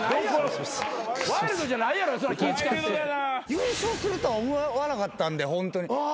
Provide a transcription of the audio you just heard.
優勝するとは思わなかったんでホントに正直。